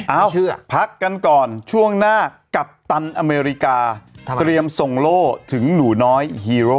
เอาเชื่อพักกันก่อนช่วงหน้ากัปตันอเมริกาเตรียมส่งโล่ถึงหนูน้อยฮีโร่